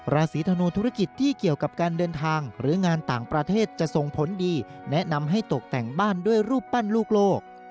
ราศีธนูธุรกิจที่เกี่ยวกับการเดินทางหรืองานต่างประเทศจะส่งผลดีแนะนำให้ตกแต่งบ้านด้วยรูปปั้นลูกโลก